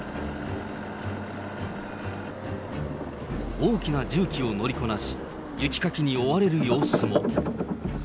大きな重機を乗りこなし、雪かきに追われる様子も。